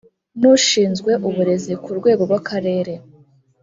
n’ushinzwe uburezi ku rwego rw’akarere,